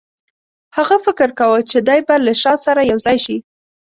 هغه فکر کاوه چې دی به له شاه سره یو ځای شي.